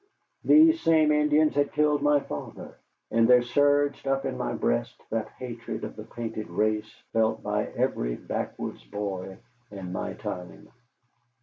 These same Indians had killed my father; and there surged up in my breast that hatred of the painted race felt by every backwoods boy in my time.